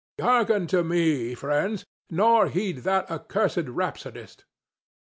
—Hearken to me, friends, nor heed that accursed rhapsodist.